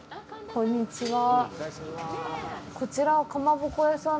こんにちは。